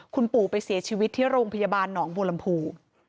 คุณปู่ไปเสียชีวิตที่โรงพยาบาลหนองบัวลำพู